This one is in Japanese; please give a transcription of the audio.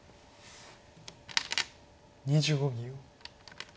２５秒。